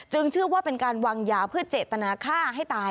เชื่อว่าเป็นการวางยาเพื่อเจตนาฆ่าให้ตาย